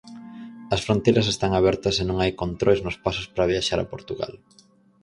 As fronteiras están abertas e non hai controis nos pasos para viaxar a Portugal.